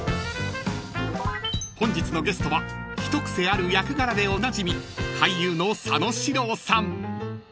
［本日のゲストは一癖ある役柄でおなじみ俳優の佐野史郎さん］